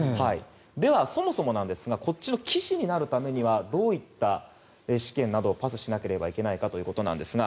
では、そもそも棋士になるためにはどういった試験などをパスしなければいけないかということなんですが。